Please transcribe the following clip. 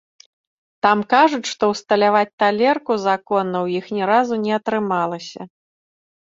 Там кажуць, што ўсталяваць талерку законна ў іх ні разу не атрымалася.